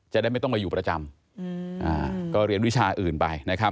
จะได้ไม่ต้องไปอยู่ประจำก็เรียนวิชาอื่นไปนะครับ